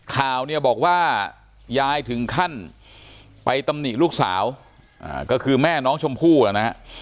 ข่าวเนี่ยบอกว่ายายถึงขั้นไปตำหนิลูกสาวก็คือแม่น้องชมพู่นะฮะ